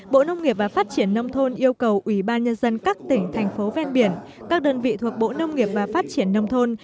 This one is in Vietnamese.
bộ nông nghiệp và phát triển nông thôn yêu cầu ủy ban nhân dân các tỉnh thành phố ven biển các đơn vị thuộc bộ nông nghiệp và phát triển nông thôn